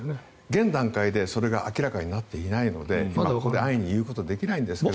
現段階でそれが明らかになっていないので安易に言うことはできないんですが。